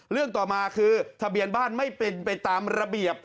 เรื่องต่อมาคือทะเบียนบ้านไม่เป็นไปตามระเบียบ